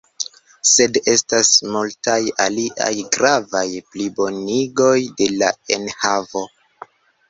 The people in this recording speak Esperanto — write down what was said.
Sed estas multaj aliaj gravaj plibonigoj de la enhavo.